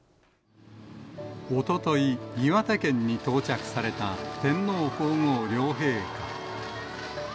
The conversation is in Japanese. おととい、岩手県に到着された天皇皇后両陛下。